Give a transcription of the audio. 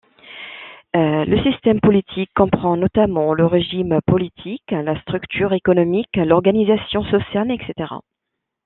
Le système politique comprend notamment le régime politique, la structure économique, l'organisation sociale, etc.